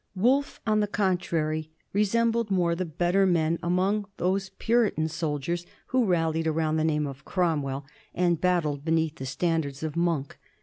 Wolfe, on the contrary, resembled more the better men among those Puritan soldiers who rallied around the n^me of Cromwell and battled beneath the standards of Monk.